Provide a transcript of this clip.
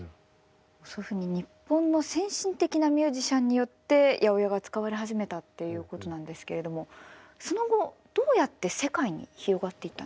そういうふうに日本の先進的なミュージシャンによって８０８が使われ始めたっていうことなんですけれどもその後どうやって世界に広がっていったんですか？